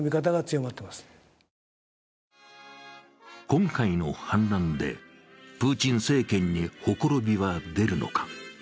今回の反乱でプーチン政権にほころびは出るのか。